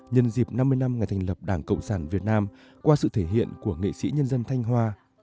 nhân dịp năm mươi năm ngày thành lập đảng cộng sản việt nam qua sự thể hiện của nghệ sĩ nhân dân thanh hoa